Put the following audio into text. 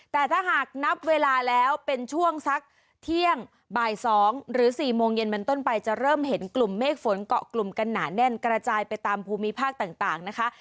แต่ถ้าหากนับเวลาแล้วเป็นช่วงสักเที่ยงบ่าย๒หรือ๔โมงเย็นเป็นต้นไปจะเริ่มเห็นกลุ่มเมฆฝนเกาะกลุ่มกันหนาแน่นกระจายไปตามภูมิภาคต่างนะคะ